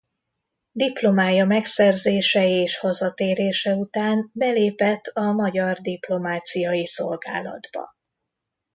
Diplomája megszerzése és hazatérése után belépett a magyar diplomáciai szolgálatba.